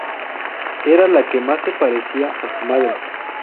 Era la que más se parecía a su madre.